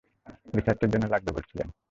রিসার্চের জন্য লাগবে বলছিলেন?